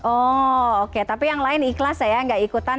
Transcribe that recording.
oh oke tapi yang lain ikhlas ya nggak ikutan